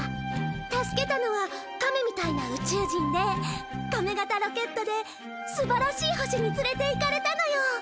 助けたのは亀みたいな宇宙人で亀型ロケットで素晴らしい星に連れて行かれたのよ。